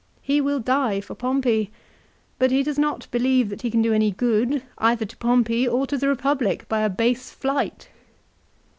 He will die for Pompey, but he does not believe that he can do any good either to Pompey or to the Eepublic by a base flight.